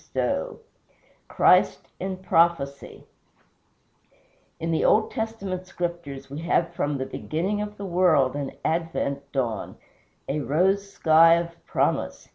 II CHRIST IN PROPHECY In the Old Testament Scriptures we have from the beginning of the world an advent dawn a rose sky of Promise.